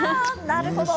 なるほど。